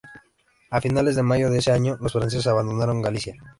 A finales de mayo de ese año los franceses abandonaron Galicia.